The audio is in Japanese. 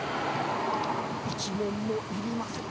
「１文もいりません」。